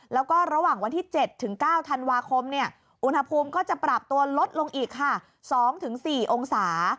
แล้วก็ระหว่างวันที่๗๙ธันวาคมอุณหภูมิก็จะปรับตัวลดลงอีกค่ะ๒๔องศา